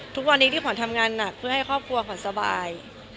ทุกวันนี้ที่ขวัญทำงานหนักเพื่อให้ครอบครัวขวัญสบาย